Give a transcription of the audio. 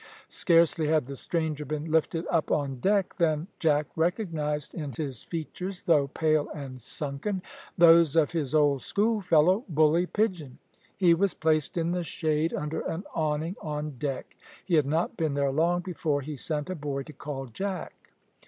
Scarcely had the stranger been lifted up on deck, than Jack recognised in his features, though pale and sunken, those of his old schoolfellow, Bully Pigeon. He was placed in the shade under an awning on deck. He had not been there long before he sent a boy to call Jack.